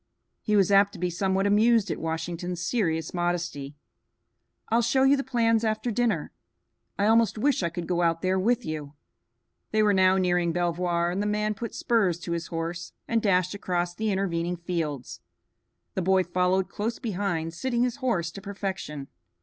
He was apt to be somewhat amused at Washington's serious modesty. "I'll show you the plans after dinner. I almost wish I could go out there with you." They were now nearing Belvoir, and the man put spurs to his horse and dashed across the intervening fields. The boy followed close behind, sitting his horse to perfection.